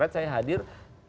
dan ketemu saya hadir